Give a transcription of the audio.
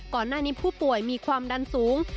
ก่อนหน้านี้ผู้ป่วยมีความดันสูง